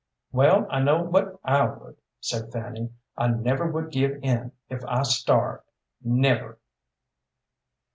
"Well, I know what I would do," said Fanny. "I never would give in, if I starved never!"